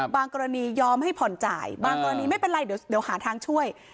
กรณียอมให้ผ่อนจ่ายบางกรณีไม่เป็นไรเดี๋ยวหาทางช่วย